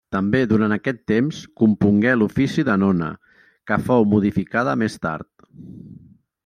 També durant aquest temps compongué l'ofici de Nona, que fou modificada més tard.